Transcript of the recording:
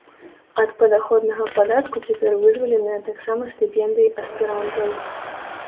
Ад падаходнага падатку цяпер вызваленыя таксама стыпендыі аспірантаў.